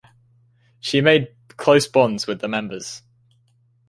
She made close bonds with the members.